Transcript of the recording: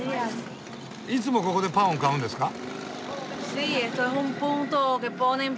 いつもここでパンを買うんですか？